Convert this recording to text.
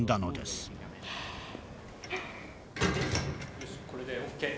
・よしこれでＯＫ。